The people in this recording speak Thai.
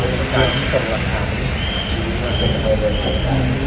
ชีวิตมากขึ้นกับทุกคน